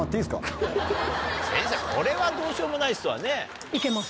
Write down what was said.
先生これはどうしようもないですわね。